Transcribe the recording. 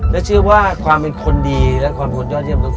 และเชื่อว่าความเป็นคนดีและความเป็นคนยอดเยี่ยม